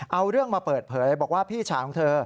เอาเรื่องมาเปิดเผยบอกว่าพี่ชายของเธอ